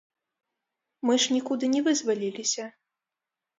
Мы ж нікуды не вызваліліся.